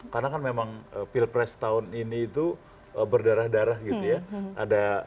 karena kan memang pilpres tahun ini itu berdarah darah gitu ya